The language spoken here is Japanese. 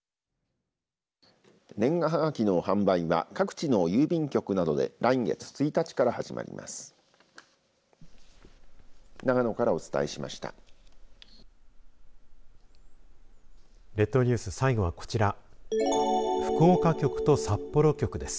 年賀はがきの販売は各地の郵便局などで来月１日から始まります。